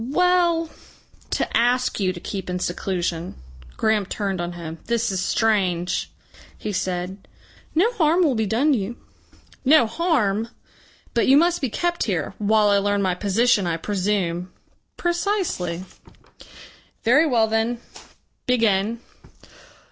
"Well to ask you to keep in seclusion." Graham turned on him. "This is strange!" he said. "No harm will be done you." "No harm!" "But you must be kept here " "While I learn my position, I presume." "Precisely." "Very well then. Begin.